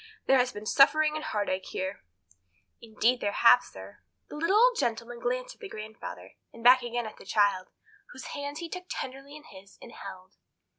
"There have been suffering and heartache here." "Indeed there have, sir." The little old gentleman glanced at the grandfather, and back again at the child, whose hand he took tenderly in his and held.